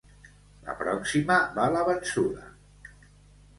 La pròxima va la vençuda.